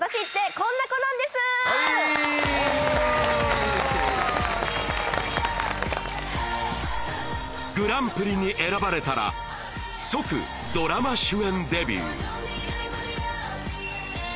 ＳＵＮＴＯＲＹグランプリに選ばれたら即ドラマ主演デビュー